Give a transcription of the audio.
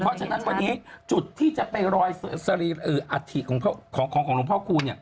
เพราะฉะนั้นวันนี้จุดที่จะไปรอยอัฐิของหลวงพ่อคูณ